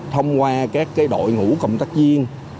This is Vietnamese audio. thông qua các cái đội ngũ công tác viên